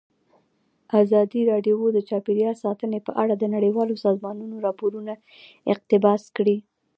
ازادي راډیو د چاپیریال ساتنه په اړه د نړیوالو سازمانونو راپورونه اقتباس کړي.